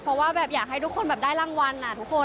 เพราะว่าแบบอยากให้ทุกคนแบบได้รางวัลทุกคน